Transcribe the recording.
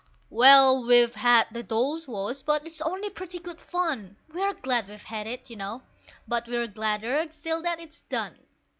Well, we've had the Dolls' Wash, but it's only pretty good fun. We're glad we've had it, you know, but we're gladder still that it's done.